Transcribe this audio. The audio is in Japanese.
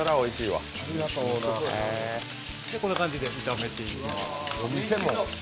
こんな感じで炒めていきます。